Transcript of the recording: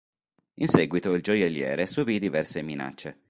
In seguito, il gioielliere subì diverse minacce.